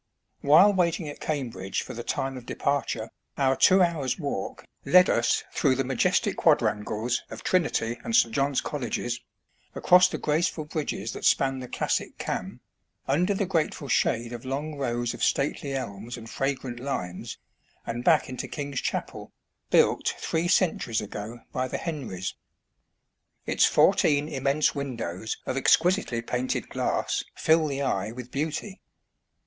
While waiting at Cambridge for the time of de parture, our two hours' walk led us through the majestic quadrangles of Trinity and St. John's Colleges, across the graceful bridges that span the classic Cam, under the grateful shade of long rows of stately elms and fragrant limes, and back into King's Chapel, built three centuries ago by the Henrys. Its fourteen immense windows of exquisitely painted glass fill the eye with beauty.